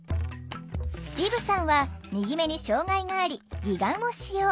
リブさんは右目に障害があり義眼を使用。